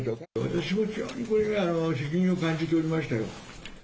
私も非常にこれは責任を感じておりましたよ。